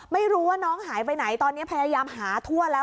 ไม่รู้ว่าน้องหายไปไหนตอนนี้พยายามหาทั่วแล้ว